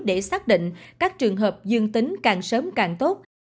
để xác định các trường hợp dương tính càng sớm càng tốt